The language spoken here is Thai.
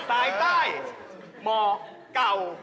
ขายตาย